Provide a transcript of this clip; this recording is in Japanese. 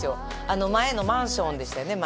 あの前のマンションでしたよね